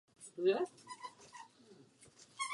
Dříve tu byl židovský hospic.